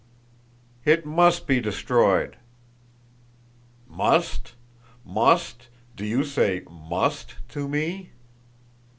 "It must be destroyed." "Must? Must? Do you say _must to me?